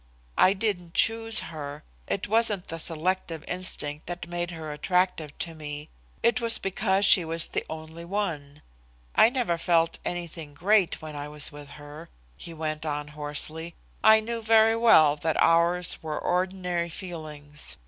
I didn't choose her. It wasn't the selective instinct that made her attractive to me. It was because she was the only one. I never felt anything great when I was with her," he went on hoarsely. "I knew very well that ours were ordinary feelings.